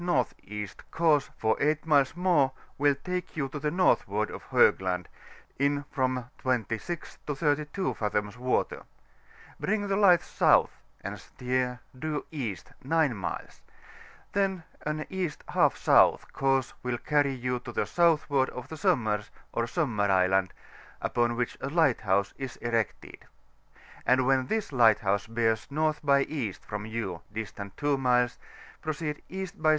N.E. course for 8 nules more will take you to the northward of Hoosland, in from 26 to 32 fathoms water; bring the lights south, and steer due Eait 9 mues ; then an E. J S. course will carry you to the southward of the Sommers or Sommar Island, upon which a lighthouse is erected ; and when this lighthouse bears N. by E. from you, distant 2 miles, proceed E. by S.